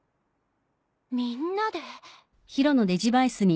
「みんなで」？